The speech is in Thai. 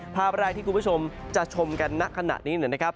ภาพแรกที่คุณผู้ชมจะชมกันณขณะนี้นะครับ